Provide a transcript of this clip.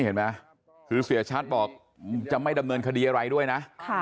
เห็นไหมคือเสียชัดบอกจะไม่ดำเนินคดีอะไรด้วยนะ